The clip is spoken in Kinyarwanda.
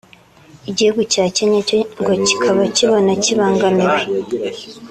igihugu cya Kenya cyo ngo kikaba kibona kibangamiwe